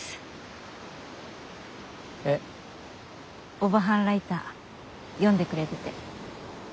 オバハンライター読んでくれてて。